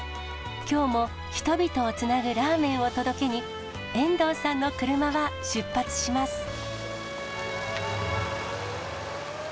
きょうも人々をつなぐラーメンを届けに、遠藤さんの車は出発します。